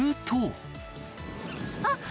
あっ！